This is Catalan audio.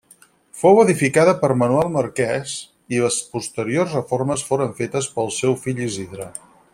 Fou edificada per Manuel Marqués, i les posteriors reformes foren fetes pel seu fill Isidre.